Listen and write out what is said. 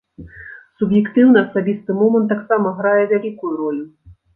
Суб'ектыўны асабісты момант таксама грае вялікую ролю.